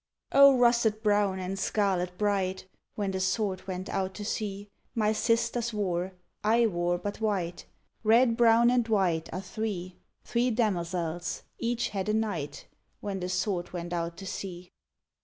_ O, russet brown and scarlet bright, When the Sword went out to sea, My sisters wore; I wore but white: Red, brown, and white, are three; Three damozels; each had a knight, _When the Sword went out to sea.